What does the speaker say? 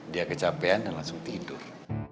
dia kecapean dan langsung tidur